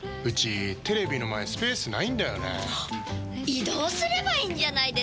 移動すればいいんじゃないですか？